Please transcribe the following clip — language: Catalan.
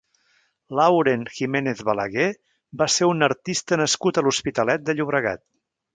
Laurent Jiménez-Balaguer va ser un artista nascut a l'Hospitalet de Llobregat.